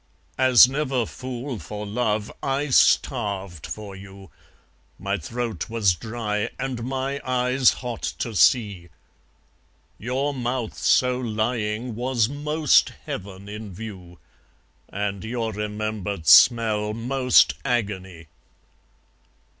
As never fool for love, I starved for you; My throat was dry and my eyes hot to see. Your mouth so lying was most heaven in view, And your remembered smell most agony.